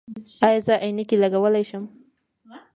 ایا زه عینکې لګولی شم؟